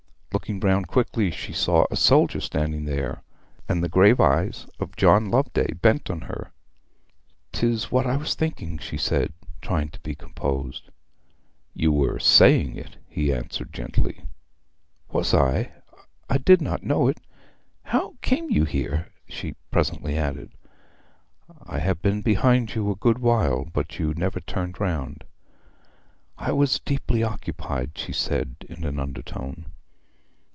Looking round quickly, she saw a soldier standing there; and the grave eyes of John Loveday bent on her. ''Tis what I was thinking,' she said, trying to be composed. 'You were saying it,' he answered gently. 'Was I? I did not know it. ... How came you here?' she presently added. 'I have been behind you a good while; but you never turned round.' 'I was deeply occupied,' she said in an undertone.